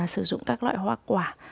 sử dụng các loại hoa quả